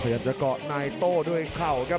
พยายามจะก้อนายโต้ด้วยเขากับ